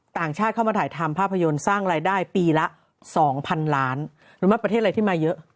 ต่างชาติเข้ามาถ่ายทำภาพยนตร์สร้างรายได้ปีละ๒๐๐๐ล้านรู้ไหมประเทศอะไรที่มาเยอะ